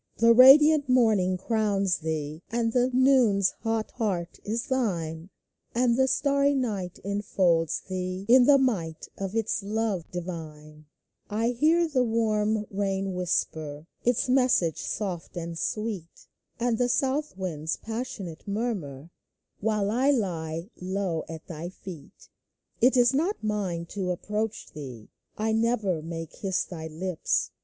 The radiant morning crowns thee : And the noon's hot heart is thine ; And the starry night enfolds thee In the might of its love divine ; 1 hear the warm rain whisper Its message soft and sweet ; And the south wind's passionate murmur, While I lie low at thy feet ! It is not mine to approach thee ; 1 never may kiss thy lips.